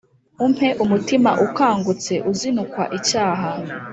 Umpe umutima Ukangutse Uzinukwa icyaha